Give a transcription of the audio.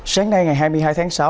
sáng nay ngày hai mươi hai tháng sáu